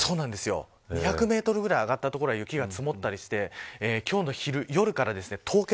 ２００メートルぐらい上がった所は雪が積もったりして今日の夜から凍結。